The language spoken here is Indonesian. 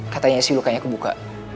katanya sih lu kayaknya kebuka